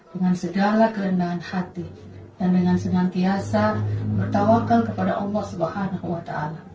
dengan segala kerendahan hati dan dengan senantiasa bertawakan kepada allah swt